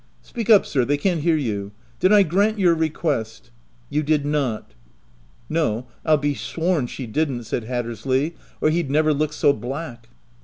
* Speak up sir ; they can't hear you. Did I grant your request?" « You did not." "No, Pll be sworn she didn't," said Hat tersley, H or he'd never look so black."